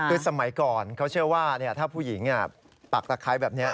คือสมัยก่อนเขาเชื่อว่าถ้าผู้หญิงปักตะไคร้แบบนี้